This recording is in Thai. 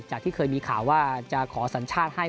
ที่เคยมีข่าวว่าจะขอสัญชาติให้